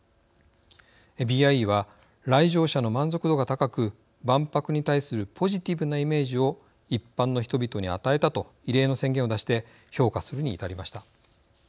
ＢＩＥは、来場者の満足度が高く万博に対するポジティブなイメージを一般の人々に与えたと異例の宣言を出して評価するに至りました。